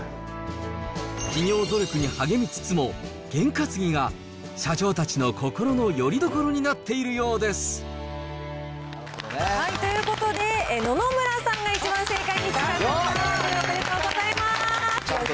企業努力に励みつつも、ゲン担ぎが社長たちの心のよりどころになっているよなるほどね。ということで、野々村さんが正解に一番近かったということで、おめでとうございます。